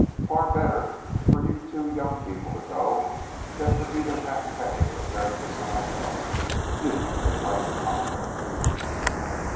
Far better for you two young people to go than for either Halfpenny, or Tertius, or myself. Youth invites confidence."